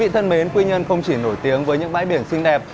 thân mến quy nhơn không chỉ nổi tiếng với những bãi biển xinh đẹp